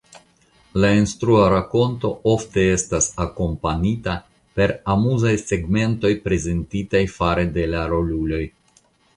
La instrua rakonto ofte estas akompanita per amuzaj segmentoj prezentitaj fare de la roluloj.